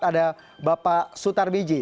ada bapak sutar miji